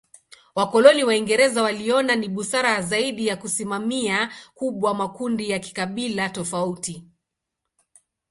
Wakoloni Waingereza waliona ni busara zaidi ya kusimamia kubwa makundi ya kikabila tofauti.